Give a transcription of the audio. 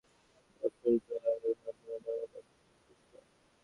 প্রতিদিন প্রবেশ টিকেটের ওপর র্যাফেল ড্রয়ের মাধ্যমে দেওয়া হবে আকর্ষণীয় পুরস্কার।